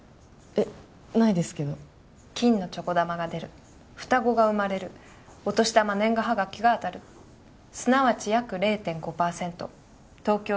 えっないですけど金のチョコ玉が出る双子が生まれるお年玉年賀はがきが当たるすなわち約０．５％東京藝